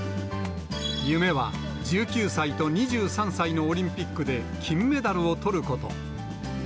夢は、１９歳と２３歳のオリンピックで金メダルをとること。